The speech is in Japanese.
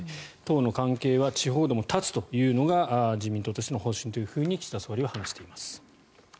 党の関係は地方でも断つというのが自民党としての方針と岸田総理は話しています。